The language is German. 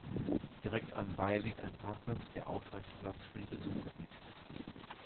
Direkt anbei liegt ein Parkplatz, der ausreichend Platz für die Besucher bietet.